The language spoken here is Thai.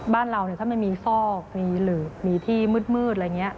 บ้านเราถ้าไม่มีฟอกมีหลืบมีที่มืดอะไรอย่างนี้